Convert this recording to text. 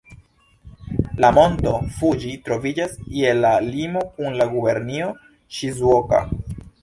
La Monto Fuĝi troviĝas je la limo kun la gubernio Ŝizuoka.